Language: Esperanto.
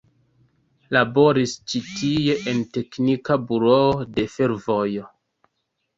Laboris ĉi tie en teknika buroo de fervojo.